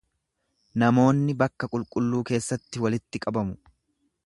Namoonni bakka qulqulluu keessatti walitti qabamu.